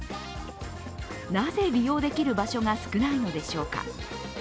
なぜ利用できる場所が少ないのでしょうか。